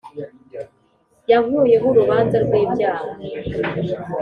Yankuyeho urubanza rwibyaha